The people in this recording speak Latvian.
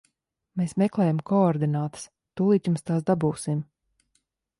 Mēs meklējam koordinātas, tūlīt jums tās dabūsim.